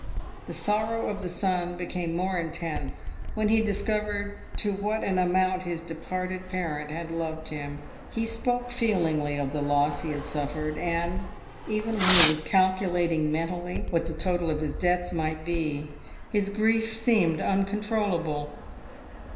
The sorrow of the son became more intense when he discovered to what an "amount" his departed parent had loved him. He spoke feelingly of the loss he had suffered, and, even when he was calculating mentally what the total of his debts might be, his grief seemed uncontrollable.